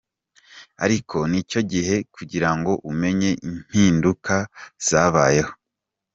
Ariko nicyo gihe kugirango umenye impinduka zabayeho.